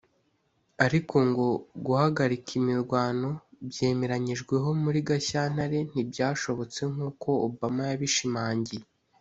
ariko ngo guhagarika imirwano byemeranyijweho muri Gashyantare ntibyashobotse nk’uko Obama yabishimangiye